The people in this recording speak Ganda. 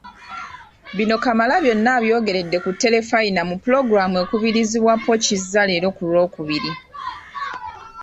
Bino Kamalabyonna abyogeredde ku Terefayina mu pulogulaamu ekubirizibwa Paul Kizza leero ku Lwokubiri.